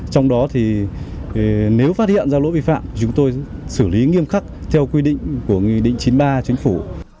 trong đó thì nếu phát hiện ra lỗi vi phạm chúng tôi xử lý nghiêm khắc theo quy định của nghị định chín mươi ba chính phủ